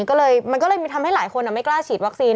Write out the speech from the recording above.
ก็เลยมันก็เลยทำให้หลายคนไม่กล้าฉีดวัคซีน